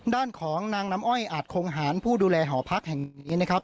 ด้านของนางน้ำอ้อยอาจคงหารผู้ดูแลหอพักแห่งนี้นะครับ